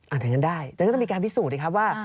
อย่างนั้นได้แต่ก็ต้องมีการพิสูจน์สิครับว่า